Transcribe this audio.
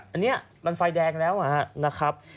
อันนี้มันไฟแดงแล้วนะครับ